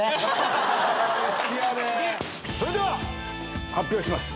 それでは発表します。